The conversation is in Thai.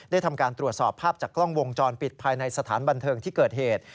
ทำการตรวจสอบภาพจากกล้องวงจรปิดภายในสถานบันเทิงที่เกิดเหตุ